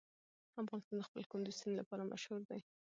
افغانستان د خپل کندز سیند لپاره مشهور دی.